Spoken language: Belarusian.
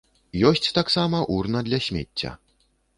Ёсць таксама урна для смецця.